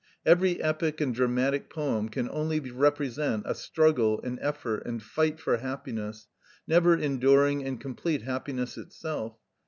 Every epic and dramatic poem can only represent a struggle, an effort, and fight for happiness, never enduring and complete happiness itself.